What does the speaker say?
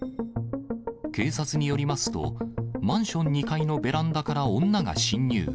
警察によりますと、マンション２階のベランダから女が侵入。